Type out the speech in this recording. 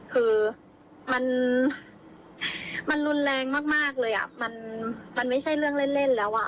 คือมันรุนแรงมากเลยอ่ะมันไม่ใช่เรื่องเล่นแล้วอ่ะ